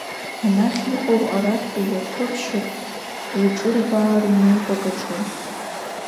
Анахь иҟоу арахьтәи иаԥыршьыр, еиҿырбаар инеип акаҿы.